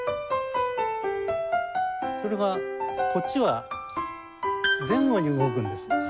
それがこっちは前後に動くんです。